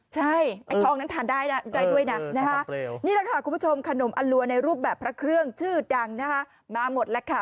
ใช่ไอ้ทองนั้นทานได้นะได้ด้วยนะนี่แหละค่ะคุณผู้ชมขนมอลัวในรูปแบบพระเครื่องชื่อดังนะคะมาหมดแล้วค่ะ